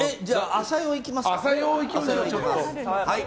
朝用いきますか。